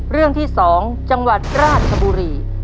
เรื่องที่๒จังหวัดราชบุรี